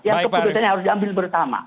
yang keputusannya harus diambil bersama